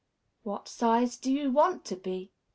"What size do you want to be?"